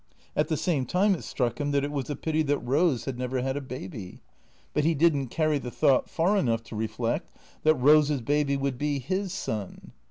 At the same time it struck him that it was a pity that Eose had never had a baby ; but he did n't carry the thought far enough to reflect that Eose's baby would be his son.